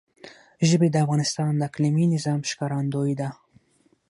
ژبې د افغانستان د اقلیمي نظام ښکارندوی ده.